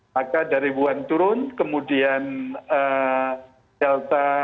maka dari wuhan turun kemudian delta